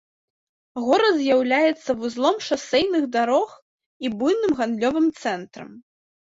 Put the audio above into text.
Горад з'яўляецца вузлом шасэйных дарог і буйным гандлёвым цэнтрам.